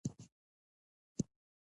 حقیقت د رڼا په بڼه څرګندېږي.